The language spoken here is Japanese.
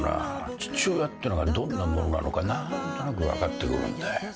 父親ってのがどんなものなのか何となく分かってくるんだよ。